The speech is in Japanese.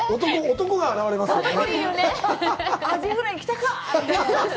男が現れますね。